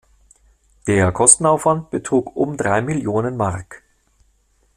Der Kostenaufwand betrug um drei Millionen Mark.